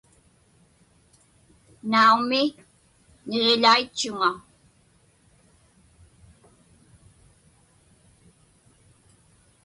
Naumi, niġiḷaitchuŋa.